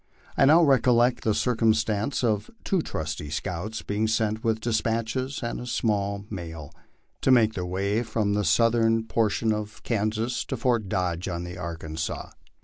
I now recollect the circumstance of two trusty scouts being sent with despatches and a small mail, to make their way from the southern por MY LIFE ON THE PLAINS. 21 tion of Kansas to Fort Dodge on the Arkansas.